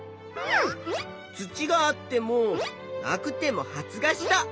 土があってもなくても発芽した。